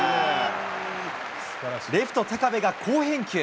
レフト、高部が好返球。